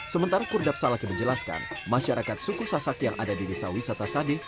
sementara kurdab salaki menjelaskan masyarakat suku sasak yang ada di desa wisata sade